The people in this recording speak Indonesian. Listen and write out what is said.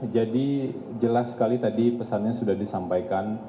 jadi jelas sekali tadi pesannya sudah disampaikan